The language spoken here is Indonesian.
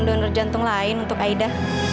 donor jantung lain untuk aida